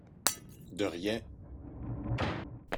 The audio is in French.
De rien !